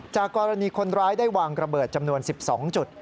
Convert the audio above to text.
กรณีคนร้ายได้วางระเบิดจำนวน๑๒จุด